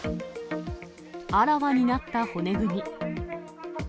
あらわになった骨組み。